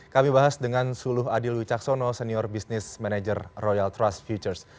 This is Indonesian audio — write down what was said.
kami bahas dengan suluh adil wicaksono senior business manager royal trust futures